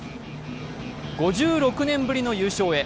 ５６年ぶりの優勝へ。